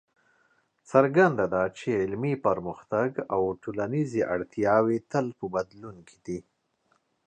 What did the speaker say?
څرګنده ده چې علمي پرمختګ او ټولنیزې اړتیاوې تل په بدلون کې دي.